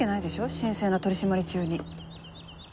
神聖な取り締まり中に。